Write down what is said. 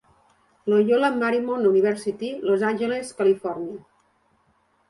Loyola Marymount University, Los Angeles, Califòrnia.